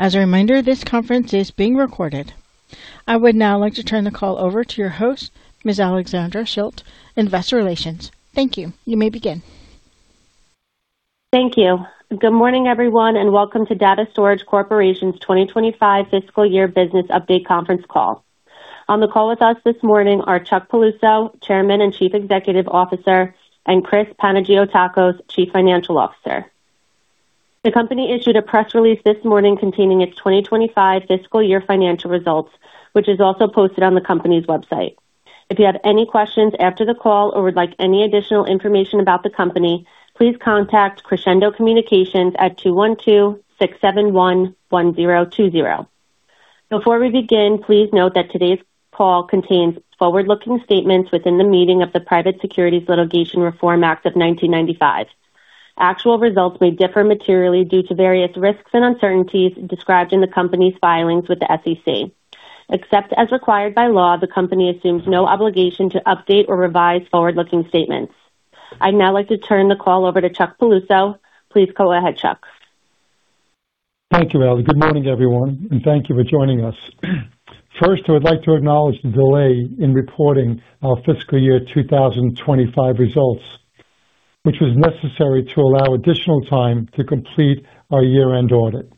As a reminder, this conference is being recorded. I would now like to turn the call over to your host, Ms. Alexandra Schilt, Investor Relations. Thank you. You may begin. Thank you. Good morning, everyone, and welcome to Data Storage Corporation's 2025 fiscal year business update conference call. On the call with us this morning are Charles M. Piluso, Chairman and Chief Executive Officer, and Christos H. Panagiotakos, Chief Financial Officer. The company issued a press release this morning containing its 2025 fiscal year financial results, which is also posted on the company's website. If you have any questions after the call or would like any additional information about the company, please contact Crescendo Communications at 212-671-1020. Before we begin, please note that today's call contains forward-looking statements within the meaning of the Private Securities Litigation Reform Act of 1995. Actual results may differ materially due to various risks and uncertainties described in the company's filings with the SEC. Except as required by law, the company assumes no obligation to update or revise forward-looking statements. I'd now like to turn the call over to Chuck Piluso. Please go ahead, Chuck. Thank you, Alexandra Schilt. Good morning, everyone, and thank you for joining us. First, I would like to acknowledge the delay in reporting our fiscal year 2025 results, which was necessary to allow additional time to complete our year-end audit.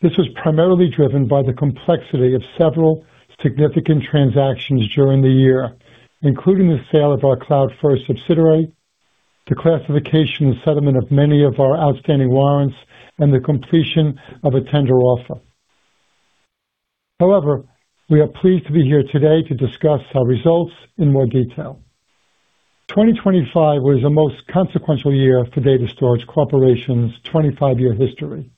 This was primarily driven by the complexity of several significant transactions during the year, including the sale of our CloudFirst subsidiary, the classification and settlement of many of our outstanding warrants, and the completion of a tender offer. However, we are pleased to be here today to discuss our results in more detail. 2025 was the most consequential year for Data Storage Corporation's 25-year history.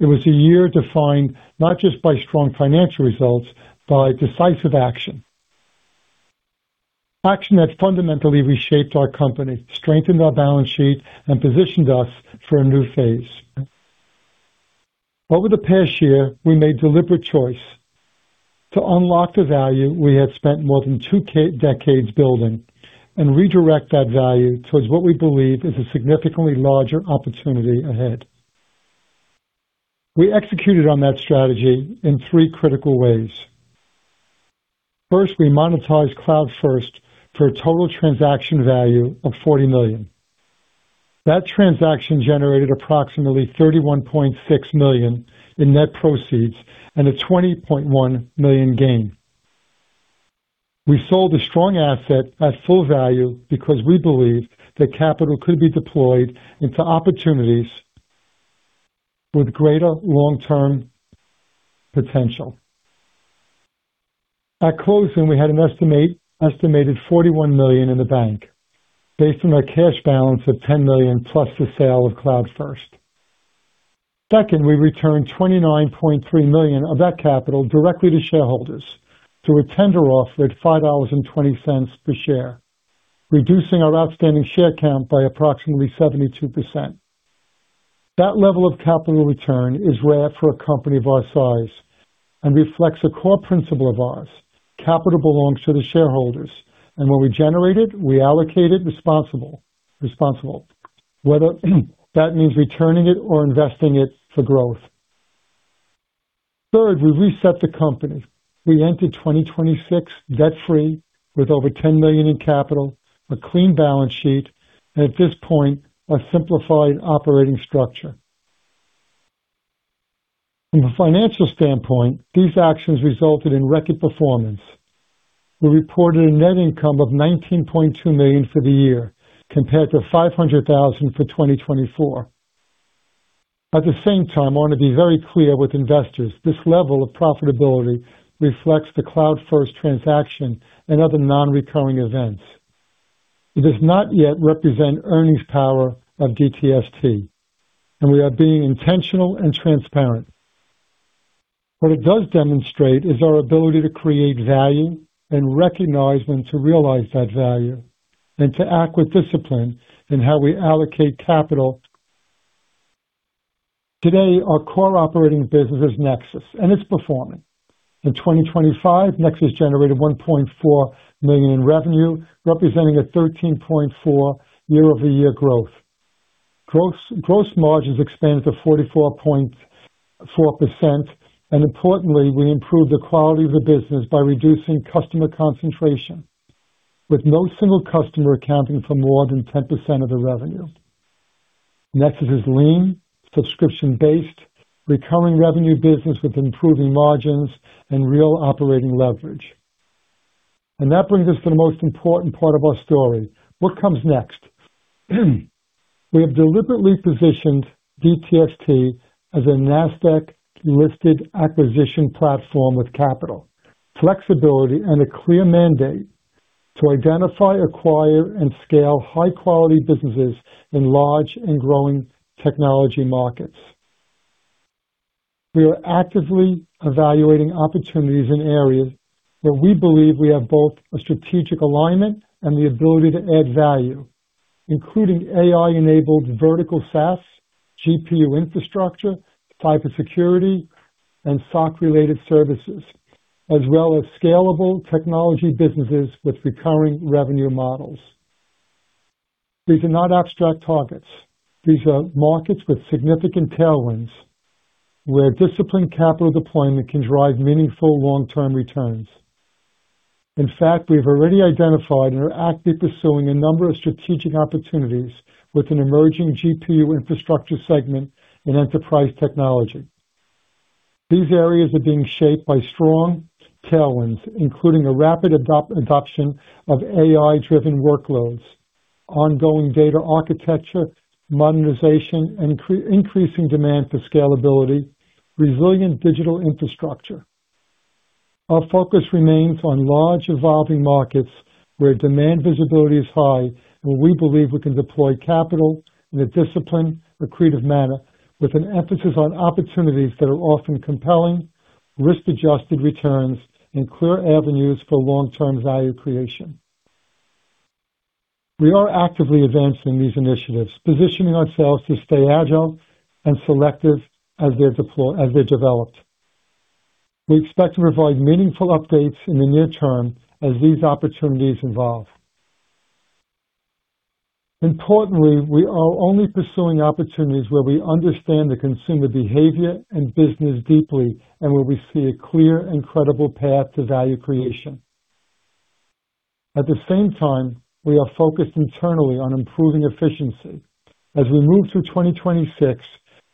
It was a year defined not just by strong financial results, by decisive action that fundamentally reshaped our company, strengthened our balance sheet, and positioned us for a new phase. Over the past year, we made deliberate choice to unlock the value we had spent more than two decades building and redirect that value towards what we believe is a significantly larger opportunity ahead. We executed on that strategy in three critical ways. First, we monetized CloudFirst for a total transaction value of $40 million. That transaction generated approximately $31.6 million in net proceeds and a $20.1 million gain. We sold a strong asset at full value because we believed that capital could be deployed into opportunities with greater long-term potential. At closing, we had an estimated $41 million in the bank, based on our cash balance of $10 million plus the sale of CloudFirst. Second, we returned $29.3 million of that capital directly to shareholders through a tender offer at $5.20 per share, reducing our outstanding share count by approximately 72%. That level of capital return is rare for a company of our size and reflects a core principle of ours. Capital belongs to the shareholders, and when we generate it, we allocate it responsibly, whether that means returning it or investing it for growth. Third, we reset the company. We entered 2026 debt-free with over $10 million in capital, a clean balance sheet, and at this point, a simplified operating structure. From a financial standpoint, these actions resulted in record performance. We reported a net income of $19.2 million for the year, compared to $500,000 for 2024. At the same time, I want to be very clear with investors. This level of profitability reflects the CloudFirst transaction and other non-recurring events. It does not yet represent earnings power of DTST, and we are being intentional and transparent. What it does demonstrate is our ability to create value and recognize when to realize that value, and to act with discipline in how we allocate capital. Today, our core operating business is Nexxis, and it's performing. In 2025, Nexxis generated $1.4 million in revenue, representing a 13.4% year-over-year growth. Gross margins expanded to 44.4%, and importantly, we improved the quality of the business by reducing customer concentration, with no single customer accounting for more than 10% of the revenue. Nexxis is lean, subscription-based, recurring revenue business with improving margins and real operating leverage. That brings us to the most important part of our story. What comes next? We have deliberately positioned DTST as a Nasdaq-listed acquisition platform with capital, flexibility, and a clear mandate to identify, acquire, and scale high-quality businesses in large and growing technology markets. We are actively evaluating opportunities in areas where we believe we have both a strategic alignment and the ability to add value, including AI-enabled vertical SaaS, GPU infrastructure, cybersecurity, and SOC-related services, as well as scalable technology businesses with recurring revenue models. These are not abstract targets. These are markets with significant tailwinds, where disciplined capital deployment can drive meaningful long-term returns. In fact, we have already identified and are actively pursuing a number of strategic opportunities with an emerging GPU infrastructure segment in enterprise technology. These areas are being shaped by strong tailwinds, including the rapid adoption of AI-driven workloads, ongoing data architecture, monetization, and increasing demand for scalability, resilient digital infrastructure. Our focus remains on large, evolving markets where demand visibility is high, and we believe we can deploy capital in a disciplined, accretive manner, with an emphasis on opportunities that offer compelling, risk-adjusted returns, and clear avenues for long-term value creation. We are actively advancing these initiatives, positioning ourselves to stay agile and selective as they're developed. We expect to provide meaningful updates in the near term as these opportunities evolve. Importantly, we are only pursuing opportunities where we understand the consumer behavior and business deeply, and where we see a clear and credible path to value creation. At the same time, we are focused internally on improving efficiency. As we move through 2026,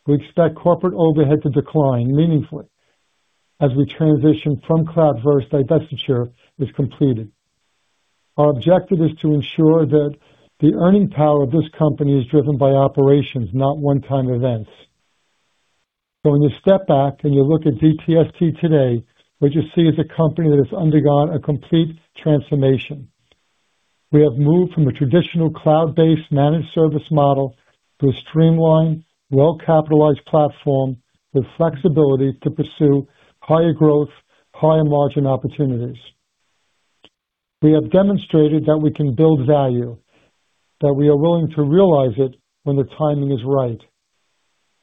we expect corporate overhead to decline meaningfully as CloudFirst divestiture is completed. Our objective is to ensure that the earning power of this company is driven by operations, not one-time events. When you step back and you look at DTST today, what you see is a company that has undergone a complete transformation. We have moved from a traditional cloud-based managed service model to a streamlined, well-capitalized platform with flexibility to pursue higher growth, higher margin opportunities. We have demonstrated that we can build value, that we are willing to realize it when the timing is right.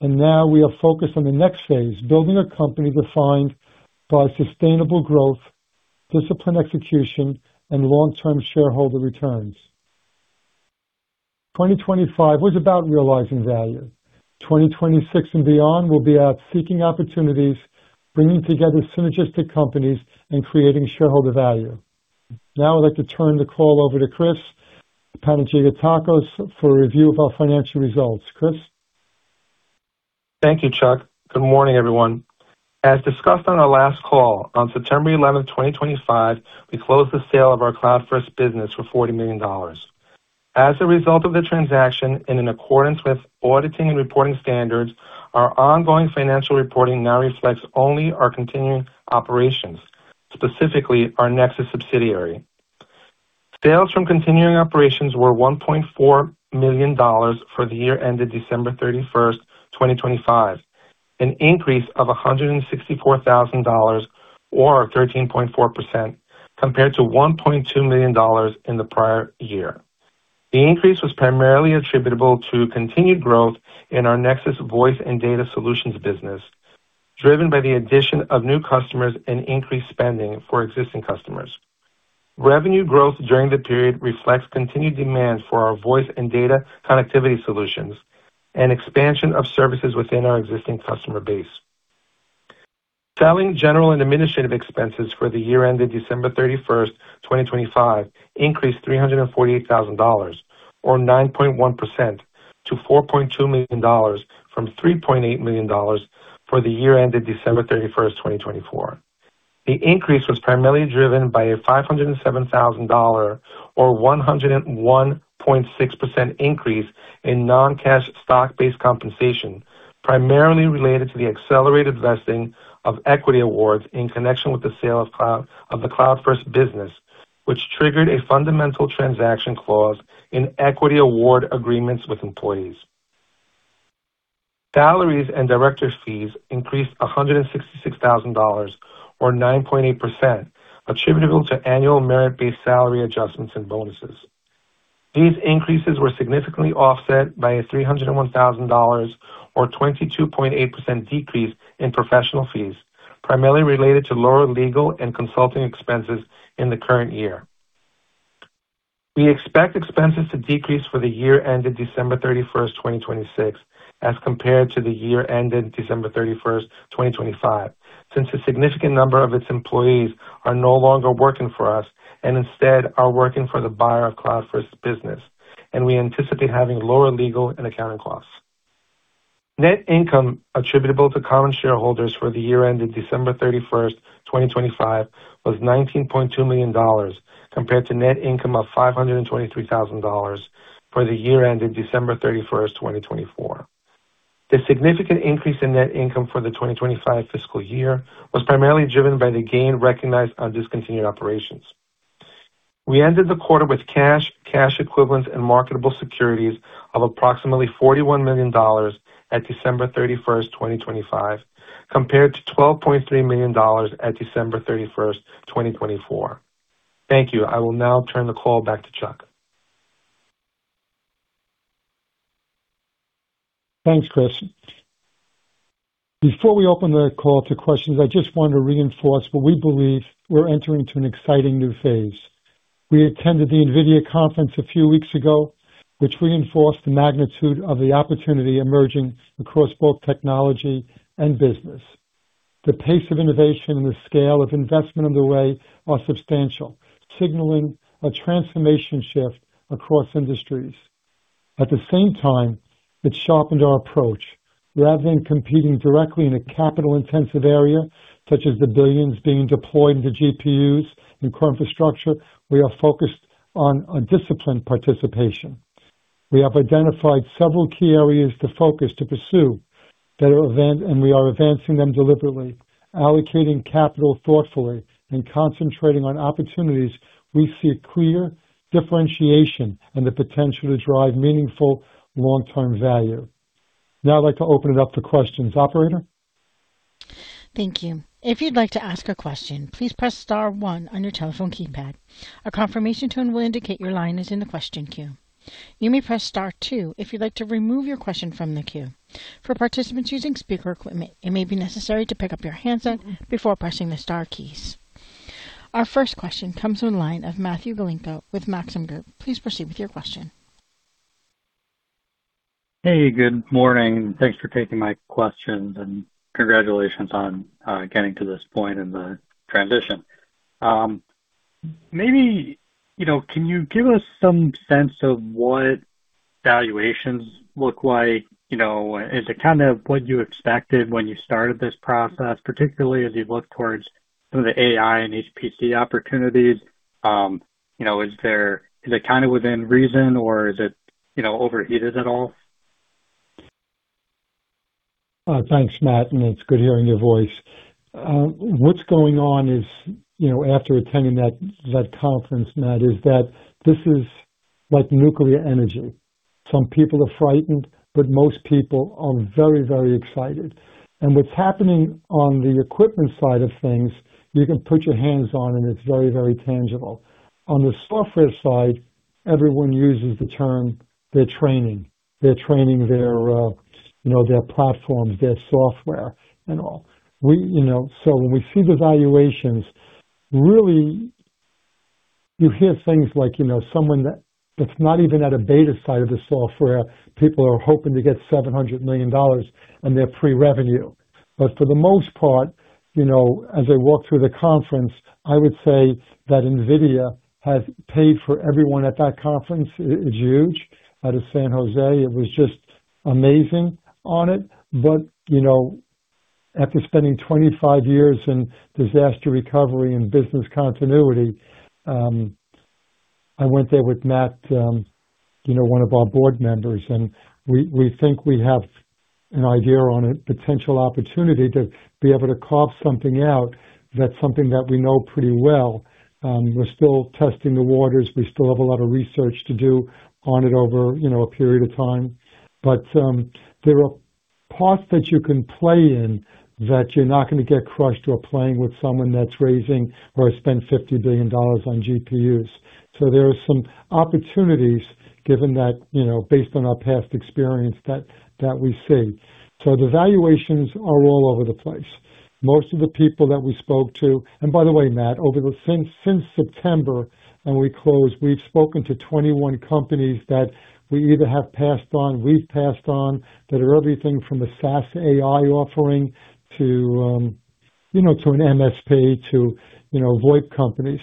Now we are focused on the next phase, building a company defined by sustainable growth, disciplined execution, and long-term shareholder returns. 2025 was about realizing value. 2026 and beyond will be about seeking opportunities, bringing together synergistic companies, and creating shareholder value. Now I'd like to turn the call over to Christos H. Panagiotakos for a review of our financial results. Christos? Thank you, Chuck. Good morning, everyone. As discussed on our last call, on September 11th, 2025, we closed the sale of our CloudFirst business for $40 million. As a result of the transaction, and in accordance with auditing and reporting standards, our ongoing financial reporting now reflects only our continuing operations, specifically our Nexxis subsidiary. Sales from continuing operations were $1.4 million for the year ended December 31st, 2025, an increase of $164,000, or 13.4%, compared to $1.2 million in the prior year. The increase was primarily attributable to continued growth in our Nexxis voice and data solutions business, driven by the addition of new customers and increased spending for existing customers. Revenue growth during the period reflects continued demand for our voice and data connectivity solutions and expansion of services within our existing customer base. Selling, General, and Administrative expenses for the year ended December 31st, 2025, increased $348,000, or 9.1%, to $4.2 million from $3.8 million for the year ended December 31st, 2024. The increase was primarily driven by a $507,000, or 101.6% increase in non-cash stock-based compensation, primarily related to the accelerated vesting of equity awards in connection with the sale of the CloudFirst business, which triggered a fundamental transaction clause in equity award agreements with employees. Salaries and directors' fees increased $166,000, or 9.8%, attributable to annual merit-based salary adjustments and bonuses. These increases were significantly offset by a $301,000, or 22.8% decrease in professional fees, primarily related to lower legal and consulting expenses in the current year. We expect expenses to decrease for the year ended December 31st, 2026, as compared to the year ended December 31st, 2025, since a significant number of its employees are no longer working for us and instead are working for the buyer of CloudFirst business, and we anticipate having lower legal and accounting costs. Net income attributable to common shareholders for the year ended December 31st, 2025, was $19.2 million, compared to net income of $523,000 for the year ended December 31st, 2024. The significant increase in net income for the 2025 fiscal year was primarily driven by the gain recognized on discontinued operations. We ended the quarter with cash equivalents, and marketable securities of approximately $41 million at December 31st, 2025, compared to $12.3 million at December 31st, 2024. Thank you. I will now turn the call back to Chuck. Thanks, Chris. Before we open the call to questions, I just want to reinforce what we believe we're entering into an exciting new phase. We attended the NVIDIA conference a few weeks ago, which reinforced the magnitude of the opportunity emerging across both technology and business. The pace of innovation and the scale of investment underway are substantial, signaling a transformation shift across industries. At the same time, it sharpened our approach. Rather than competing directly in a capital-intensive area, such as the billions being deployed into GPUs, new core infrastructure, we are focused on a disciplined participation. We have identified several key areas to focus to pursue, and we are advancing them deliberately, allocating capital thoughtfully, and concentrating on opportunities we see clear differentiation and the potential to drive meaningful long-term value. Now I'd like to open it up to questions. Operator? Thank you. If you'd like to ask a question, please press star one on your telephone keypad. A confirmation tone will indicate your line is in the question queue. You may press star two if you'd like to remove your question from the queue. For participants using speaker equipment, it may be necessary to pick up your handset before pressing the star keys. Our first question comes from the line of Matthew Galinko with Maxim Group. Please proceed with your question. Hey, good morning. Thanks for taking my questions and congratulations on getting to this point in the transition. Maybe, can you give us some sense of what valuations look like? Is it what you expected when you started this process, particularly as you look towards some of the AI and HPC opportunities? Is it within reason or is it overheated at all? Thanks, Matt, and it's good hearing your voice. What's going on is, after attending that conference, Matt, is that this is like nuclear energy. Some people are frightened, but most people are very, very excited. What's happening on the equipment side of things, you can put your hands on and it's very, very tangible. On the software side, everyone uses the term, they're training. They're training their platforms, their software and all. When we see the valuations, really, you hear things like, someone that's not even at a beta side of the software, people are hoping to get $700 million, and they're pre-revenue. For the most part, as I walked through the conference, I would say that NVIDIA has paid for everyone at that conference. It's huge. Out of San Jose, it was just amazing on it. After spending 25 years in disaster recovery and business continuity, I went there with Matt, one of our Board Members, and we think we have an idea on a potential opportunity to be able to carve something out that's something that we know pretty well. We're still testing the waters. We still have a lot of research to do on it over a period of time. There are parts that you can play in that you're not going to get crushed or playing with someone that's raising or has spent $50 billion on GPUs. There are some opportunities given that based on our past experience that we see. The valuations are all over the place. Most of the people that we spoke to, and by the way, Matt, since September, when we closed, we've spoken to 21 companies that we've passed on, that are everything from a SaaS AI offering to an MSP to VoIP companies.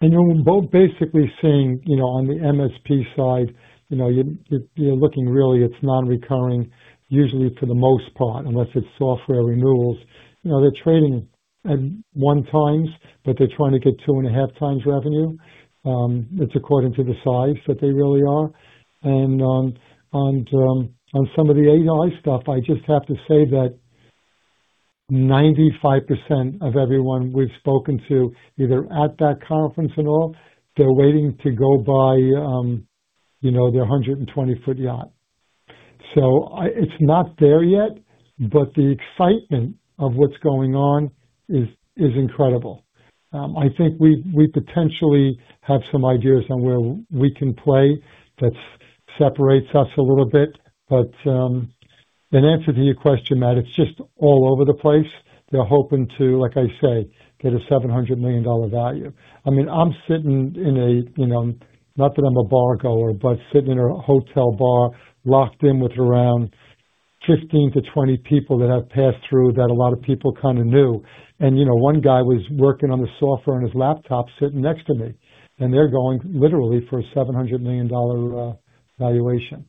We're both basically seeing on the MSP side, you're looking, really, it's non-recurring, usually for the most part, unless it's software renewals. They're trading at 1x, but they're trying to get 2.5x revenue. It's according to the size that they really are. On some of the AI stuff, I just have to say that 95% of everyone we've spoken to, either at that conference and all, they're waiting to go buy their 120-foot yacht. It's not there yet, but the excitement of what's going on is incredible. I think we potentially have some ideas on where we can play that separates us a little bit. In answer to your question, Matt, it's just all over the place. They're hoping to, like I say, get a $700 million value. Not that I'm a bar-goer, but sitting in a hotel bar, locked in with around 15-20 people that have passed through that a lot of people knew. One guy was working on the software on his laptop sitting next to me, and they're going literally for a $700 million valuation.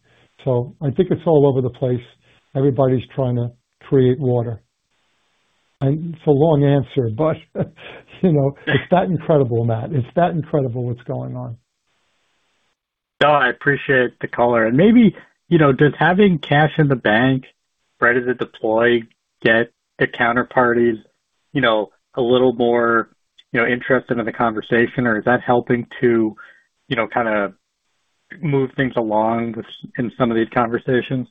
I think it's all over the place. Everybody's trying to create water. It's a long answer, but it's that incredible, Matt. It's that incredible what's going on. No, I appreciate the color. Maybe does having cash in the bank ready to deploy get the counterparties a little more interested in the conversation, or is that helping to move things along in some of these conversations?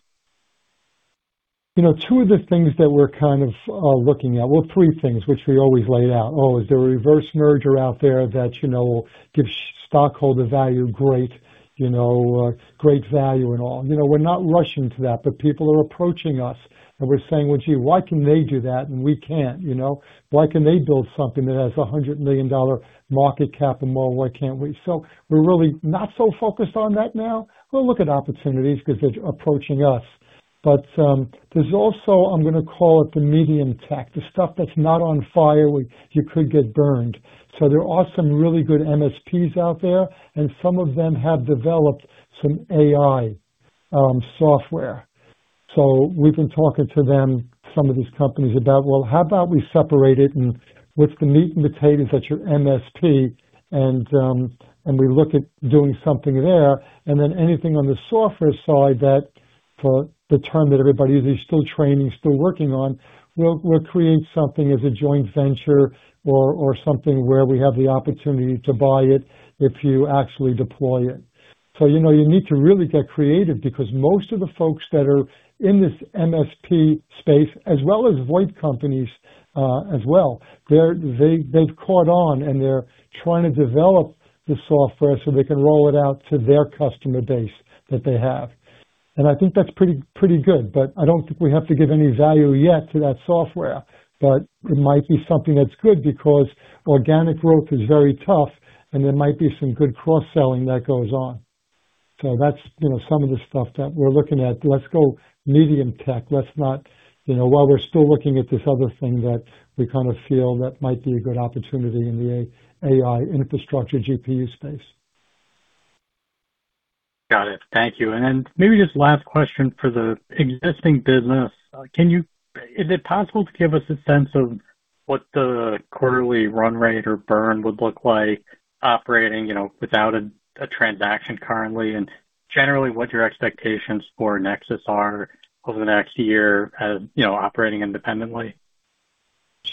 Two of the things that we're looking at, well, three things which we always laid out. Oh, is there a reverse merger out there that gives stockholder value, great value and all? We're not rushing to that, but people are approaching us, and we're saying, "Well, gee, why can they do that and we can't? Why can they build something that has $100 million market cap and more, and why can't we?" We're really not so focused on that now. We'll look at opportunities because they're approaching us. There's also, I'm going to call it the medium tech, the stuff that's not on fire, where you could get burned. There are some really good MSPs out there, and some of them have developed some AI software. We've been talking to them, some of these companies, about, well, how about we separate it and what's the meat and potatoes at your MSP? We look at doing something there, and then anything on the software side that for the term that everybody is still training, still working on, we'll create something as a joint venture or something where we have the opportunity to buy it if you actually deploy it. You need to really get creative because most of the folks that are in this MSP space, as well as VoIP companies as well, they've caught on, and they're trying to develop the software so they can roll it out to their customer base that they have. I think that's pretty good. I don't think we have to give any value yet to that software. It might be something that's good because organic growth is very tough and there might be some good cross-selling that goes on. That's some of the stuff that we're looking at. Let's call it M&A, while we're still looking at this other thing that we feel that might be a good opportunity in the AI infrastructure GPU space. Got it. Thank you. Maybe just last question for the existing business, is it possible to give us a sense of what the quarterly run rate or burn would look like operating without a transaction currently, and generally what your expectations for Nexxis are over the next year as operating independently?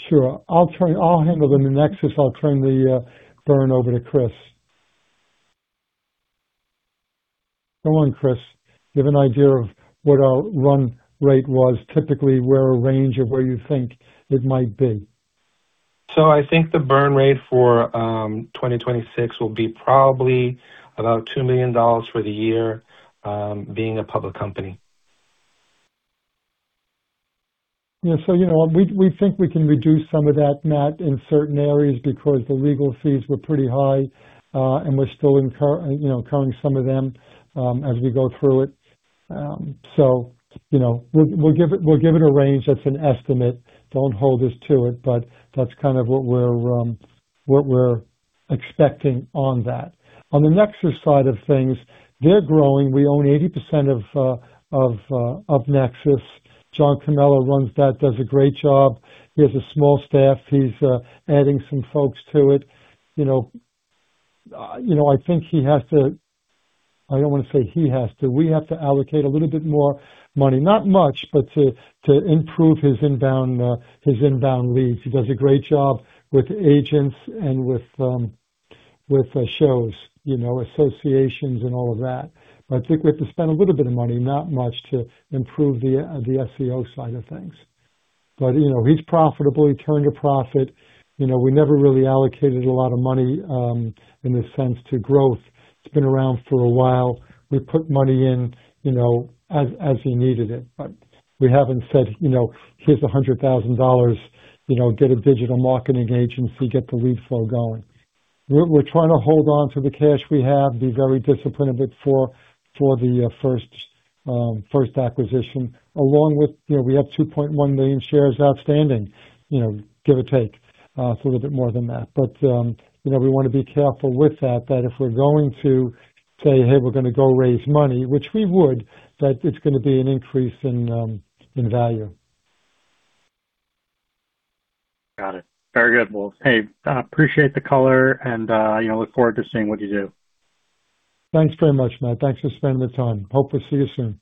Sure. I'll handle the Nexxis. I'll turn the burn over to Chris. Go on, Chris. You have an idea of what our run rate was, typically a range of where you think it might be. I think the burn rate for 2026 will be probably about $2 million for the year, being a public company. Yeah. We think we can reduce some of that, Matt, in certain areas because the legal fees were pretty high. We're still incurring some of them, as we go through it. We'll give it a range. That's an estimate. Don't hold us to it, but that's kind of what we're expecting on that. On the Nexxis side of things, they're growing. We own 80% of Nexxis. John Cannella runs that, does a great job. He has a small staff. He's adding some folks to it. We have to allocate a little bit more money, not much, but to improve his inbound leads. He does a great job with agents and with shows, associations and all of that. I think we have to spend a little bit of money, not much, to improve the SEO side of things. He's profitable. He turned a profit. We never really allocated a lot of money, in a sense, to growth. It's been around for a while. We put money in as he needed it. We haven't said, "Here's $100,000. Get a digital marketing agency, get the lead flow going." We're trying to hold on to the cash we have, be very disciplined with it for the first acquisition. Along with, we have 2.1 million shares outstanding, give or take. It's a little bit more than that. We want to be careful with that if we're going to say, "Hey, we're going to go raise money," which we would, that it's going to be an increase in value. Got it. Very good. Well, hey, appreciate the color and look forward to seeing what you do. Thanks very much, Matt. Thanks for spending the time. Hope to see you soon.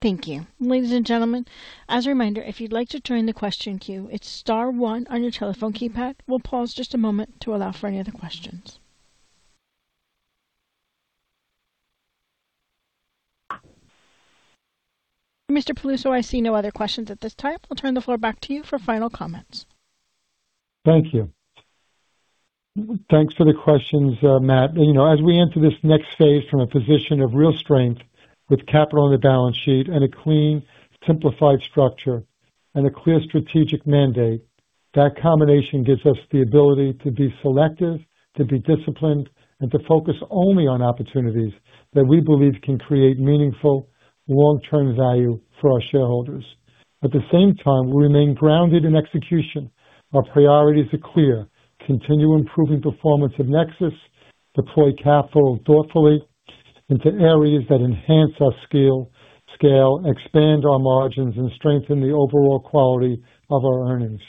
Thank you. Ladies and gentlemen, as a reminder, if you'd like to join the question queue, it's star one on your telephone keypad. We'll pause just a moment to allow for any other questions. Mr. Piluso, I see no other questions at this time. We'll turn the floor back to you for final comments. Thank you. Thanks for the questions, Matt. As we enter this next phase from a position of real strength with capital on the balance sheet and a clean, simplified structure and a clear strategic mandate, that combination gives us the ability to be selective, to be disciplined, and to focus only on opportunities that we believe can create meaningful long-term value for our shareholders. At the same time, we remain grounded in execution. Our priorities are clear. Continue improving performance of Nexxis, deploy capital thoughtfully into areas that enhance our scale, expand our margins, and strengthen the overall quality of our earnings.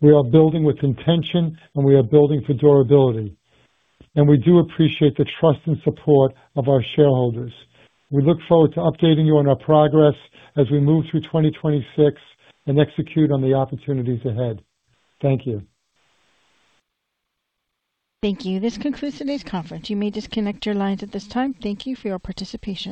We are building with intention, and we are building for durability, and we do appreciate the trust and support of our shareholders. We look forward to updating you on our progress as we move through 2026 and execute on the opportunities ahead. Thank you. Thank you. This concludes today's conference. You may disconnect your lines at this time. Thank you for your participation.